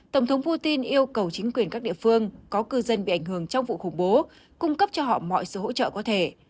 tổng thống putin yêu cầu chính quyền các địa phương có cư dân bị ảnh hưởng trong vụ khủng bố cung cấp cho họ mọi sự hỗ trợ có thể